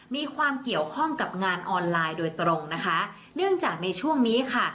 มีความเกี่ยวข้องกับงานออนไลน์โดยตรงนะคะเนื่องจากในช่วงนี้ค่ะ